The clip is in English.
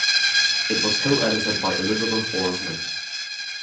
It was co-edited by Elizabeth Orsman.